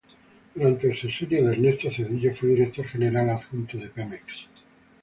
Durante el sexenio de Ernesto Zedillo fue director general adjunto de Pemex.